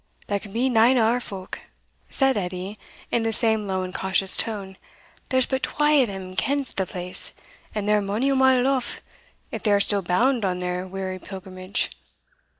"They can be nane o' our folk," said Edie in the same low and cautious tone; "there's but twa o' them kens o' the place, and they're mony a mile off, if they are still bound on their weary pilgrimage.